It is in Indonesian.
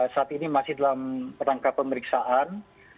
saat ini masih dalam rangka pemeriksaan